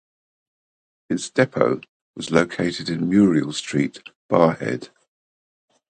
Its depot was located in Muriel Street, Barrhead.